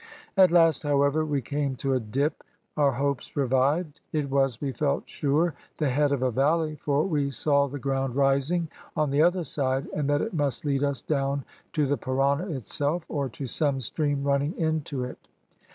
"At last, however, we came to a dip; our hopes revived; it was, we felt sure, the head of a valley, for we saw the ground rising on the other side, and that it must lead us down to the Parana itself, or to some stream running into it.